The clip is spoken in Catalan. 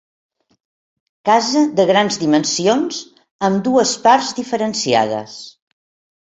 Casa de grans dimensions amb dues parts diferenciades.